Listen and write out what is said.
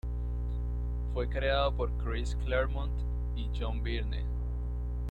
Fue creado por Chris Claremont y John Byrne.